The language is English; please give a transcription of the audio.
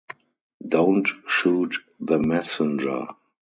Don't shoot the messenger.